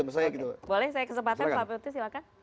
boleh saya kesempatan pak pak putri silakan